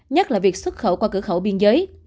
nhất là việc xuất khẩu qua cửa khẩu biên giới